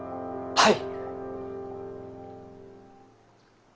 はい！